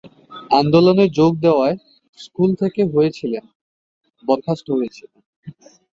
আন্দোলনে যোগ দেওয়ায় স্কুল থেকে হয়েছিলেন বরখাস্ত হয়েছিলেন।